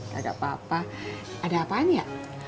gak apa apa ada apa apa ya